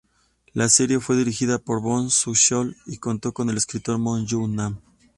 La serie fue dirigida por Boo Sung-cheol y contó con el escritor Moon Young-nam.